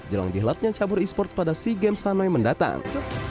jelang dihelatnya cabur esports pada sea games hanoi mendatang